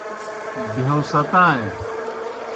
بہیو ستائیں۔